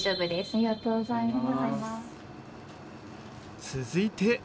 ありがとうございます。